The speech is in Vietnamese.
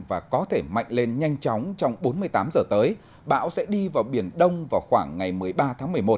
và có thể mạnh lên nhanh chóng trong bốn mươi tám giờ tới bão sẽ đi vào biển đông vào khoảng ngày một mươi ba tháng một mươi một